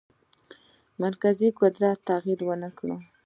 مرکزي قدرت تغییر ونه کړ.